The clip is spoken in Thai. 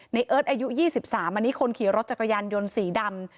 เอิร์ทอายุ๒๓อันนี้คนขี่รถจักรยานยนต์สีดำ